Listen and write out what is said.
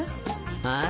ああ。